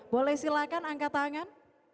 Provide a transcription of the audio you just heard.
boleh silakan angkat tangan